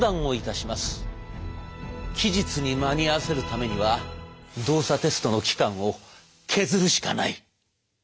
「期日に間に合わせるためには動作テストの期間を削るしかない！」。